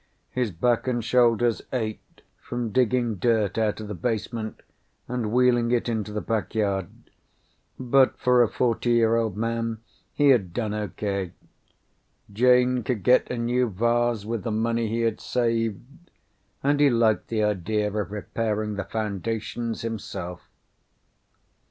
His back and shoulders ached from digging dirt out of the basement and wheeling it into the back yard. But for a forty year old man he had done okay. Janet could get a new vase with the money he had saved; and he liked the idea of repairing the foundations himself!